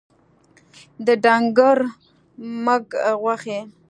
د ډنګر مږ غوښي